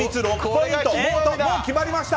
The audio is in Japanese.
６ポイント！